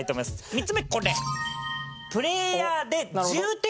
３つ目これ。